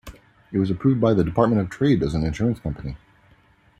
It was approved by the Department of Trade as an insurance company.